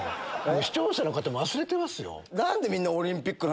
視聴者の方忘れてますよ。